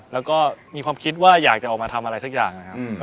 แล้วก็มีความคิดว่าอยากจะออกมาทำอะไรสักอย่างนะครับ